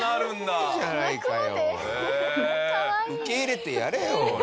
受け入れてやれよ。